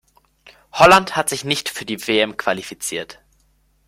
Holland hat sich nicht für die WM qualifiziert.